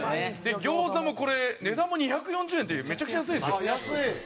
餃子もこれ値段も２４０円っていうめちゃくちゃ安いんですよ。